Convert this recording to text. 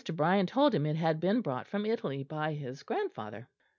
Brian told him it had been brought from Italy by his grandfather.